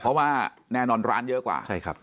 เพราะว่าแน่นอนร้านเยอะกว่า